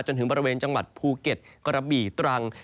จนถึงบริเวณจังหวัดภูเก็ตกระบี่ตรัง